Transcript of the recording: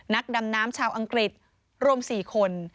นักดำน้ำชาวอังกฤษรวม๔คน